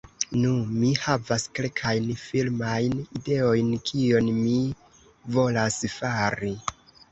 Nu, mi havas kelkajn filmajn ideojn kion mi volas fari